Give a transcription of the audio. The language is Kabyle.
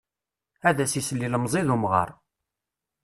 Ad as-isel ilemẓi d umɣar.